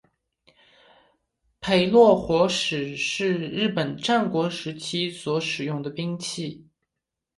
焙烙火矢是日本战国时代所使用兵器。